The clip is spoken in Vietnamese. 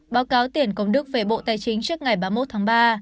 báo cáo tiền công đức về bộ tài chính trước ngày ba mươi một tháng ba